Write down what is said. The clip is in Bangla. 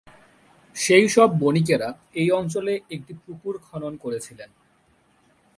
সেই সব বণিকেরা এই অঞ্চলে একটি পুকুর খনন করেছিলেন।